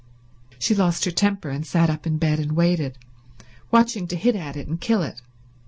She lost her temper, and sat up in bed and waited, watching to hit at it and kill it.